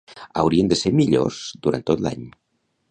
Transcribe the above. Hauriem de ser millors durant tot l'any.